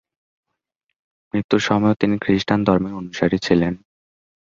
মৃত্যুর সময়ও তিনি খৃষ্টান ধর্মের অনুসারী ছিলেন।